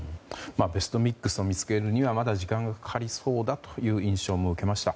ベストミックスを見つけるにはまだ時間がかかりそうだという印象も受けました。